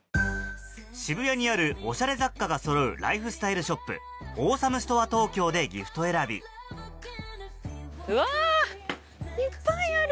渋谷にあるオシャレ雑貨がそろうライフスタイルショップ「ＡＷＥＳＯＭＥＳＴＯＲＥＴＯＫＹＯ」でギフト選びうわいっぱいある！